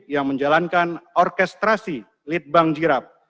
yang menjalankan orkestrasi litbang jirap